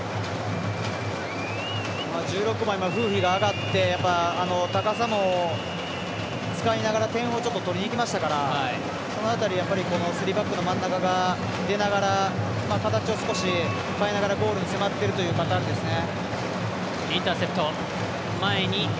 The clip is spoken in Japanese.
１６番、フーヒが上がって高さも使いながら点も取りに行きましたからその辺り、スリーバックの真ん中が出ながら形を少し変えながらゴールに迫っているパターンですね。